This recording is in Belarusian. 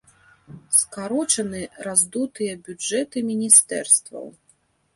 Скарочаны раздутыя бюджэты міністэрстваў.